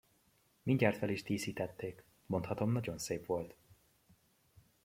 Mindjárt fel is díszítették, mondhatom nagyon szép volt!